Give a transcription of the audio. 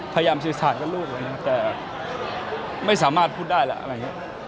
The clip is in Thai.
พยายามสื่อสารกับลูกแต่ไม่สามารถพูดได้แล้ว